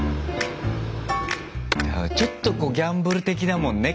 ちょっとギャンブル的だもんね